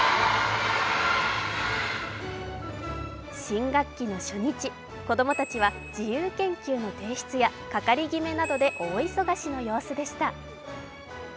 新学期の初日、子供たちは自由研究の提出や係決めなどで大忙しの様子でした。